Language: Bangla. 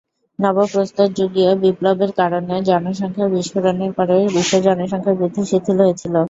নব্যপ্রস্তরযুগীয় বিপ্লবের কারণে জনসংখ্যা বিস্ফোরণের পরে বিশ্ব জনসংখ্যা বৃদ্ধি শিথিল হয়েছিলো।